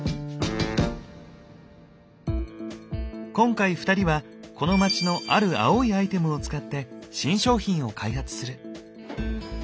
今回２人はこの町のある青いアイテムを使って新商品を開発する。